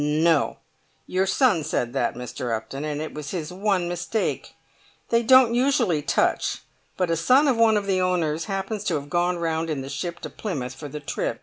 "No; your son said that, Mr. Upton, and it was his one mistake. They don't usually touch, but a son of one of the owners happens to have gone round in the ship to Plymouth for the trip.